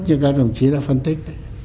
như các đồng chí đã phân tích